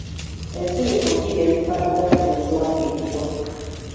Ensirifu bbiri ezifaanagana ze ziwandiikibwa.